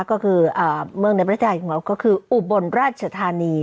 ก็คือเมืองในประเทศไทยของเราก็คืออุบลราชธานี